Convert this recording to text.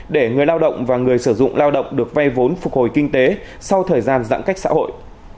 để người lao động và người sử dụng lao động được vay vốn phục hồi kinh tế sau thời gian giãn cách xã hội